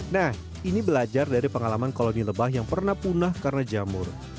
nah ini belajar dari pengalaman koloni lebah yang pernah punah karena jamur